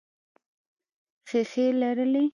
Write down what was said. ښیښې لرلې.